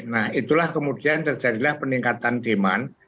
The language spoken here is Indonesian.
nah itulah kemudian terjadilah peningkatan demand